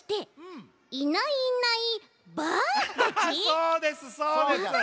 そうですそうです。